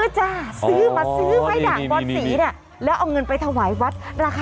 จอลด